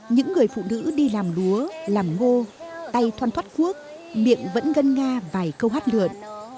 những người phụ nữ đi làm lúa làm ngô tay thoăn thoát cuốc miệng vẫn gân nga vài câu hát lượn